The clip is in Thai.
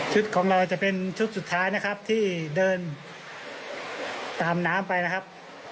ของเราจะเป็นชุดสุดท้ายนะครับที่เดินตามน้ำไปนะครับ